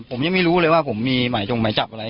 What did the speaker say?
ผมยังไม่รู้เลยว่าผมมีหมายจงหมายจับอะไร